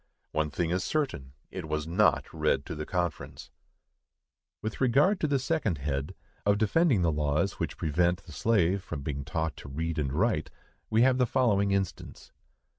One thing is certain, it was not read to the conference. With regard to the second head,—of defending the laws which prevent the slave from being taught to read and write,—we have the following instance.